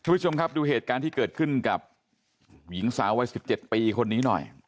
คุณผู้ชมครับดูเหตุการณ์ที่เกิดขึ้นกับหญิงสาววัย๑๗ปีคนนี้หน่อย